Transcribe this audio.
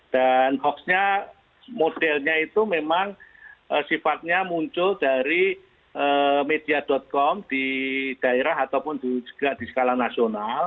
dan hoaxnya modelnya itu memang sifatnya muncul dari media com di daerah ataupun juga di skala nasional